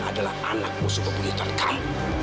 adalah anak musuh kebunyitan kamu